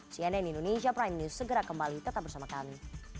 cnn indonesia prime news segera kembali tetap bersama kami